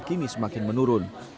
kini semakin menurun